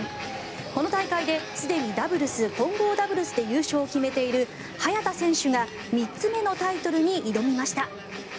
この大会ですでにダブルス混合ダブルスで優勝を決めている早田選手が３つ目のタイトルに挑みました。